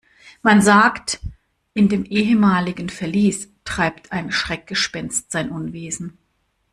Man sagt, in dem ehemaligen Verlies treibt ein Schreckgespenst sein Unwesen.